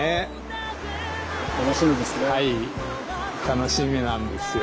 楽しみですね。